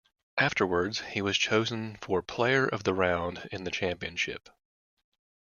Afterwards, he was chosen for player of the round in the championship.